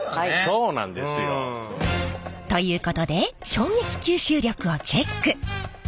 そうなんですよ。ということで衝撃吸収力をチェック。